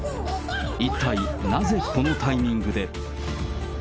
一体、なぜこのタイミングで。